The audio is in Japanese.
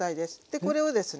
これをですね